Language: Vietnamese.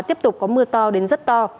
tiếp tục có mưa to đến rất to